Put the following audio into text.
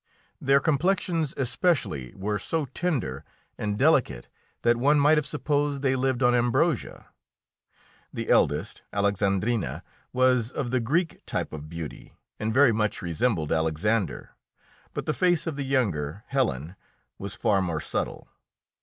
Their complexions especially were so tender and delicate that one might have supposed they lived on ambrosia. The eldest, Alexandrina, was of the Greek type of beauty and very much resembled Alexander, but the face of the younger, Helen, was far more subtle.